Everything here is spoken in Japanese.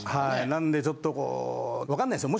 なんでちょっとこうわかんないですよ。